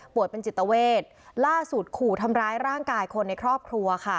เป็นจิตเวทล่าสุดขู่ทำร้ายร่างกายคนในครอบครัวค่ะ